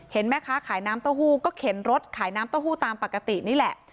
แม่ค้าขายน้ำเต้าหู้ก็เข็นรถขายน้ำเต้าหู้ตามปกตินี่แหละ